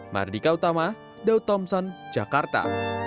mardika utama daud thompson jakarta